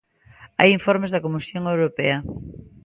Hai informes da Comisión Europea.